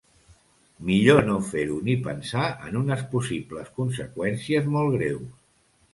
Millor no fer-ho ni pensar en unes possibles conseqüències molt greus.